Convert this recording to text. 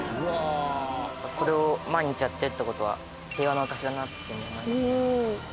これを毎日やってるという事は平和の証しだなって思います。